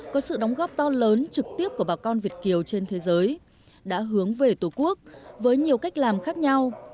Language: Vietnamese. có sự đóng góp to lớn trực tiếp của bà con việt kiều trên thế giới đã hướng về tổ quốc với nhiều cách làm khác nhau